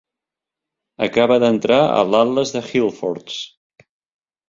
Acaba d"entrar a l" Atlas de Hillforts.